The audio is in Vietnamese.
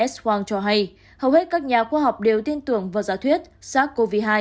s quang cho hay hầu hết các nhà khoa học đều tin tưởng vào giả thuyết sars cov hai